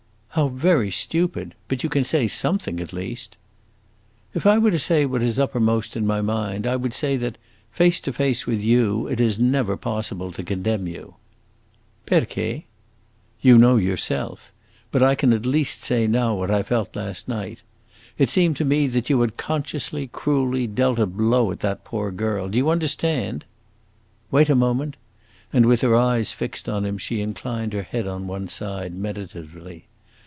"How very stupid! But you can say something at least." "If I were to say what is uppermost in my mind, I would say that, face to face with you, it is never possible to condemn you." "Perche?" "You know, yourself! But I can at least say now what I felt last night. It seemed to me that you had consciously, cruelly dealt a blow at that poor girl. Do you understand?" "Wait a moment!" And with her eyes fixed on him, she inclined her head on one side, meditatively.